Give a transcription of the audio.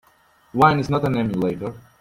Wine is not an emulator.